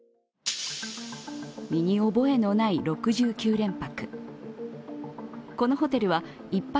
身に覚えのない６９連泊。